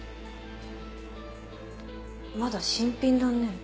まだ新品だね。